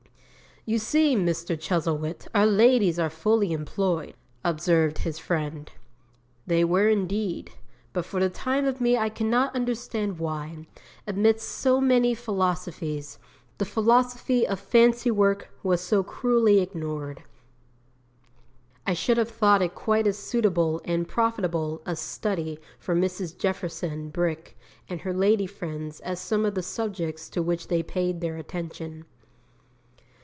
'"You see, Mr. Chuzzlewit, our ladies are fully employed," observed his friend.' They were indeed; but for the life of me I cannot understand why, amidst so many philosophies, the Philosophy of Fancy work was so cruelly ignored. I should have thought it quite as suitable and profitable a study for Mrs. Jefferson Brick and her lady friends as some of the subjects to which they paid their attention.